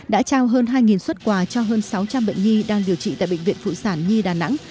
đã trao hơn hai xuất quà cho hơn sáu trăm linh bệnh nhi đang điều trị tại bệnh viện phụ sản nhi đà nẵng